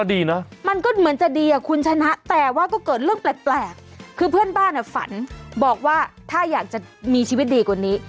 ดีนะมันก็เหมือนจะดีอ่ะคุณชนะแต่ว่าก็เกิดเรื่องแปลกคือเพื่อนบ้านฝันบอกว่าถ้าอยากจะมีชีวิตดีกว่านี้